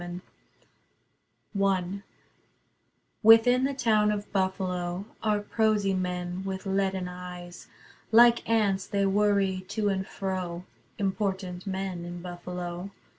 Niagara I Within the town of Buffalo Are prosy men with leaden eyes. Like ants they worry to and fro, (Important men, in Buffalo.)